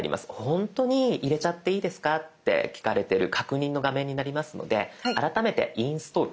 本当に入れちゃっていいですかって聞かれてる確認の画面になりますので改めて「インストール」。